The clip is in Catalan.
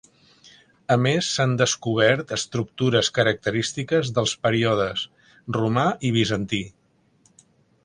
A més s'han descobert estructures característiques dels períodes romà i bizantí.